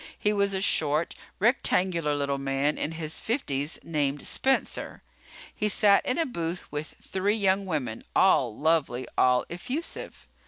He was a short, rectangular little man in his fifties named Spencer. He sat in a booth with three young women, all lovely, all effusive.